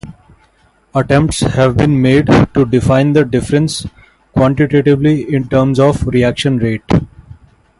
Attempts have been made to define the difference quantitatively in terms of reaction rate.